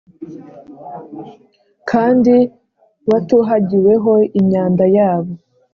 Kandi batuhagiweho imyanda yabo